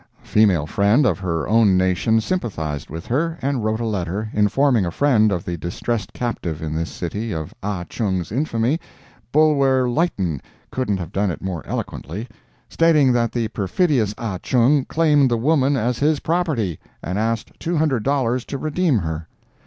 A female friend of her own nation sympathized with her, and wrote a letter, informing a friend of the distressed captive in this city of Ah Chung's infamy—Bulwer Lytton couldn't have done it more eloquently—stating that the perfidious Ah Chung claimed the woman as his property, and asked two hundred dollars to redeem her.